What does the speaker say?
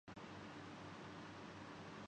جو میں کرتا ہوں اس میں دوسروں کو بھی شامل کرتا ہوں